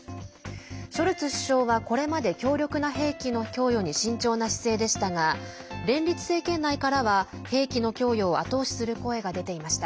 ショルツ首相は、これまで強力な兵器の供与に慎重な姿勢でしたが連立政権内からは兵器の供与を後押しする声が出ていました。